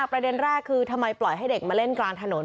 ประเด็นแรกคือทำไมปล่อยให้เด็กมาเล่นกลางถนน